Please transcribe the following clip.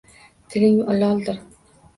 Tiling loldir